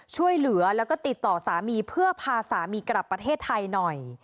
ช่วยเหลือแล้วก็ติดต่อสามีเพื่อพาสามีกลับประเทศไทยหน่อย